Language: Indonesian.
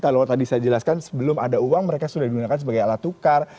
kalau tadi saya jelaskan sebelum ada uang mereka sudah digunakan sebagai alat tukar